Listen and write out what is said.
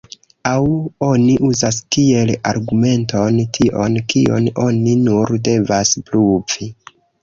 Aŭ oni uzas kiel argumenton tion, kion oni nur devas pruvi.